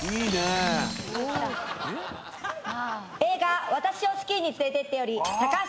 映画『私をスキーに連れてって』より高橋ひとみと。